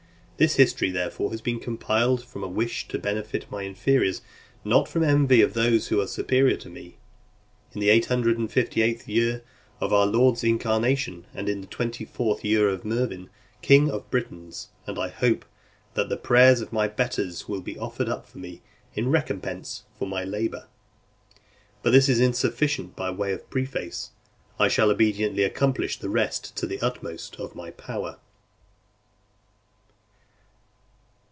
This history therefore has been compiled from a wish to benefit my inferiors, not from envy of those who are superior to me, in the 858th year of our Lord's incarnation, and in the 24th year of Mervin, king of the Britons, and I hope that the prayers of my betters will be offered up for me in recompence of my labour. But this is sufficient by way of preface. I shall obediently accomplish the rest to the utmost of my power.